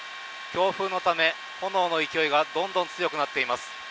強風のため、炎の勢いがどんどん強くなっています。